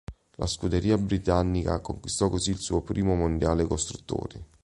La scuderia britannica conquistò così il suo primo mondiale costruttori.